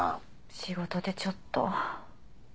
仕事でちょっと。